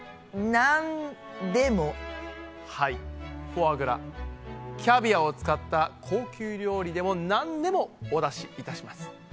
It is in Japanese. フォアグラキャビアを使った高級料理でも何でもお出しいたします。